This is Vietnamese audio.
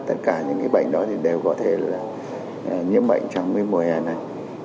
tất cả những bệnh đó thì đều có thể là nhiễm bệnh trong mùa hè này